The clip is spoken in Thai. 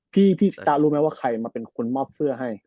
พี่สิซิตี้รู้มั้ยไหมว่าใครมาเป็นคนมอบเสื้อให้